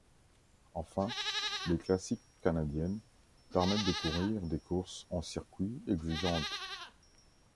Enfin, les classique canadiennes permettent de courir des courses en circuits exigeantes.